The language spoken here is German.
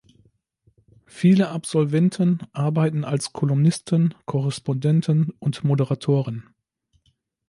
Viele Absolventen arbeiten als Kolumnisten, Korrespondenten, und Moderatoren.